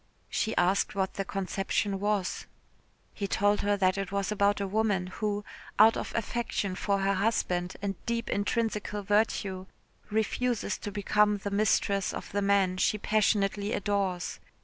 She asked what the conception was. He told her that it was about a woman who, out of affection for her husband, and deep intrinsical virtue, refuses to become the mistress of the man she passionately adores.